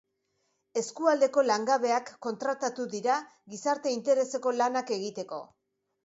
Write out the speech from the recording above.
Eskualdeko langabeak kontratatu dira gizarte-intereseko lanak egiteko.